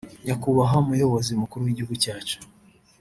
“Nyakubahwa muyobozi mukuru w’igihugu cyacu